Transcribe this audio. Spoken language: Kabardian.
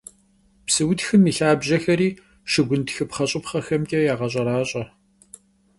Psıutxım yi lhabjexeri şşıgun txıpxheş'ıpxhexemç'e yağeş'eraş'e.